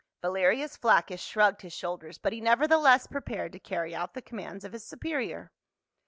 Valerius Flaccus shrugged his shoulders, but he nevertheless prepared to carry out the commands of his superior.